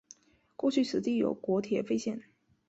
过去此地有国铁废线。